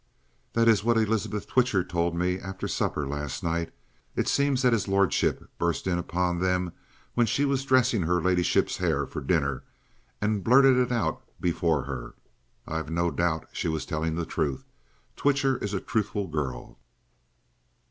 "That is what Elizabeth Twitcher told me after supper last night. It seems that his lordship burst in upon them when she was dressing her ladyship's hair for dinner and blurted it out before her. I've no doubt she was telling the truth. Twitcher is a truthful girl."